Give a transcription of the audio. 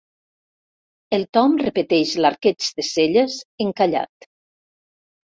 El Tom repeteix l'arqueig de celles, encallat.